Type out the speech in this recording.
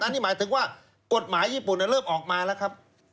อันนี้หมายถึงว่ากฎหมายญี่ปุ่นเริ่มออกมาแล้วครับ